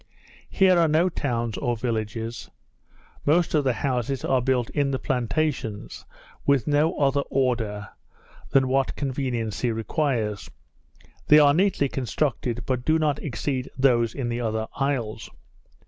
Here are no towns or villages; most of the houses are built in the plantations, with no other order than what conveniency requires; they are neatly constructed, but do not exceed those in the other isles.